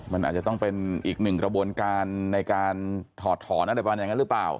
มันอาจจะต้องเป็นอีกหนึ่งกระบวนการในการถอดถอนอะไรประมาณอย่างนั้นหรือเปล่า